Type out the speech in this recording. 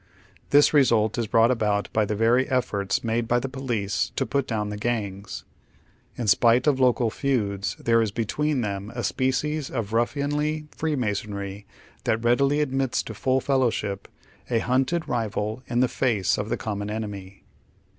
This result is brought about by the very efforts made by the police to put down the gangs. In spite of local feuds, there is between them a species of ruffianly Freemasonry that readily admits to full fellow ship a hunted rival in the face of the common enemy.